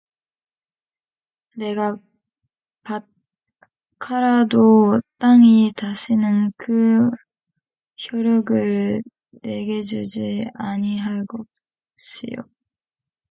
네가 밭 갈아도 땅이 다시는 그 효력을 네게 주지 아니할 것이요